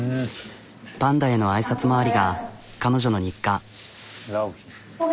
パンダへの挨拶回りが彼女の日課。